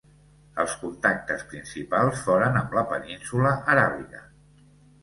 Els contactes principals foren amb la península Aràbiga.